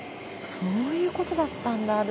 そういうことだったんだ